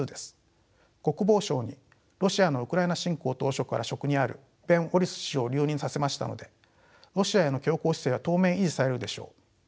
国防相にロシアのウクライナ侵攻当初から職にあるベン・ウォリス氏を留任させましたのでロシアへの強硬姿勢は当面維持されるでしょう。